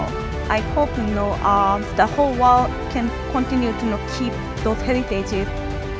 saya berharap seluruh dunia bisa terus menjaga hantaran hantaran itu